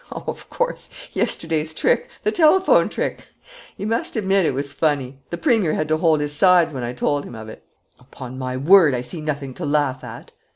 "Oh, of course, yesterday's trick, the telephone trick! You must admit it was funny. The Premier had to hold his sides when I told him of it." "Upon my word, I see nothing to laugh at!"